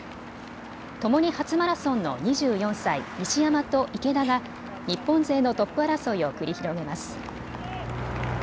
ともに初マラソンの２４歳、西山と池田が日本勢のトップ争いを繰り広げます。